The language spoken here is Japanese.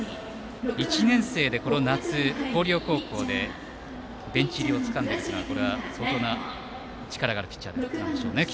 １年生でこの夏、広陵高校でベンチ入りをつかんだというのはこれは相当な力があるピッチャーなんでしょうね。